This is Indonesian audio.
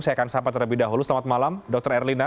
saya akan sapa terlebih dahulu selamat malam dr erlina